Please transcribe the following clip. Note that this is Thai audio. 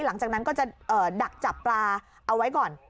หลังจากนั้นก็จะดักจับปลาเอาไว้ก่อน